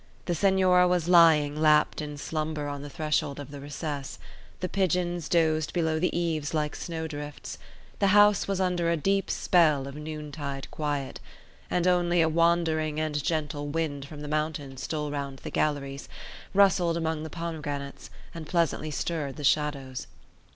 The Senora was lying lapped in slumber on the threshold of the recess; the pigeons dozed below the eaves like snowdrifts; the house was under a deep spell of noontide quiet; and only a wandering and gentle wind from the mountain stole round the galleries, rustled among the pomegranates, and pleasantly stirred the shadows.